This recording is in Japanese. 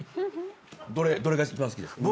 どれが一番好きですか？